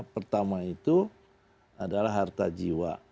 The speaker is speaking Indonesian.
pertama itu adalah harta jiwa